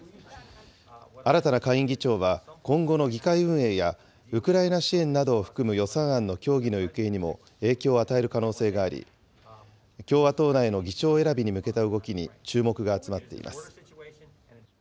新たな下院議長は、今後の議会運営やウクライナ支援などを含む予算案の協議の行方にも影響を与える可能性があり、共和党内の議長選びに向けた動きに注目が集まっています。